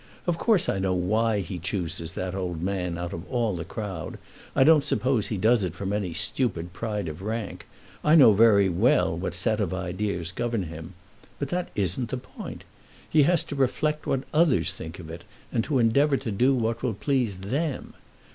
Of course I know why he chooses that old man out of all the crowd. I don't suppose he does it from any stupid pride of rank. I know very well what set of ideas govern him. But that isn't the point. He has to reflect what others think of it, and to endeavour to do what will please them.